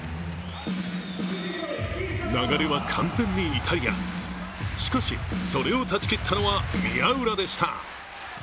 流れは完全にイタリア、しかし、それを断ち切ったのは、宮浦でした。